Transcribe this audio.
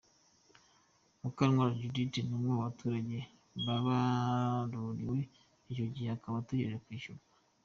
Mukantwali Judith, ni umwe baturage babaruriwe icyo gihe akaba ategereje kwishyurwa.